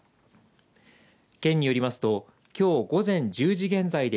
県によりますときょう午前１０時現在で